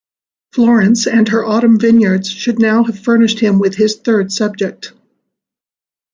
Florence and her autumn vineyards should now have furnished him with his third subject.